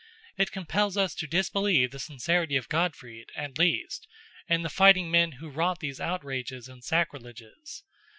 It compels us to disbelieve the sincerity of Godfrid, at least, and the fighting men who wrought these outrages and sacrileges.